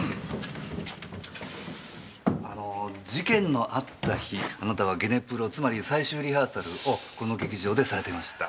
あの事件のあった日あなたはゲネプロつまり最終リハーサルをこの劇場でされていました。